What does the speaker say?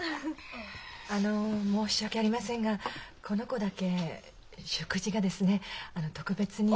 あの申し訳ありませんがこの子だけ食事がですね特別に。